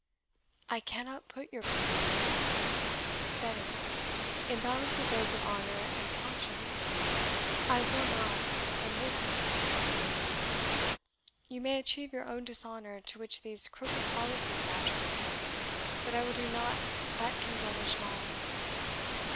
"I cannot put your commands, my lord," said Amy, "in balance with those of honour and conscience. I will NOT, in this instance, obey you. You may achieve your own dishonour, to which these crooked policies naturally tend, but I will do nought that can blemish mine.